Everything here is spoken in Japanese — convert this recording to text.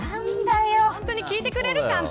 本当に聞いてくれるちゃんと。